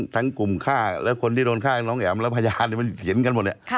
กลุ่มฆ่าและคนที่โดนฆ่าน้องแอ๋มและพยานมันเขียนกันหมดเนี่ย